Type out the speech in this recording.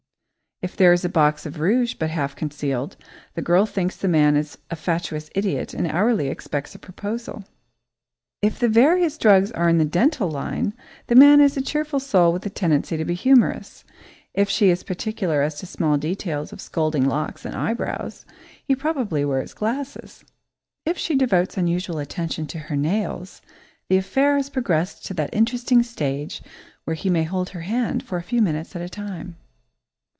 If there is a box of rouge but half concealed, the girl thinks the man is a fatuous idiot and hourly expects a proposal. If the various drugs are in the dental line, the man is a cheerful soul with a tendency to be humorous. If she is particular as to small details of scolding locks and eyebrows, he probably wears glasses. If she devotes unusual attention to her nails, the affair has progressed to that interesting stage where he may hold her hand for a few minutes at a time.